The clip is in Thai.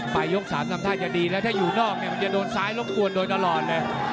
ยก๓ทำท่าจะดีแล้วถ้าอยู่นอกเนี่ยมันจะโดนซ้ายรบกวนโดยตลอดเลย